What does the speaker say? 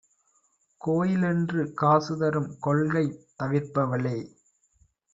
கோயிலென்று காசுதரும் கொள்கை தவிர்ப்பவளே!